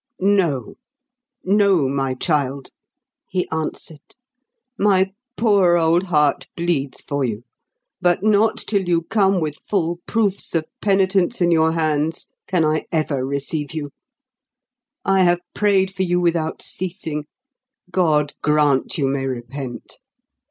"No, no, my child," he answered. "My poor old heart bleeds for you. But not till you come with full proofs of penitence in your hands can I ever receive you. I have prayed for you without ceasing. God grant you may repent.